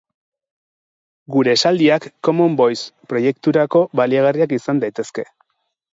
Gure esaldiak Common Voice proiekturako baliagarriak izan daitezke.